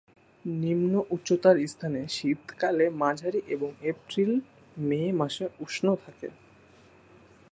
নিম্ন উচ্চতার স্থানে শীতকালে মাঝারি এবং এপ্রিল-মে মাসে উষ্ণ থাকে।